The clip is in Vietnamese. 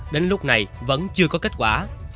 đến lúc này vẫn chưa có kết quả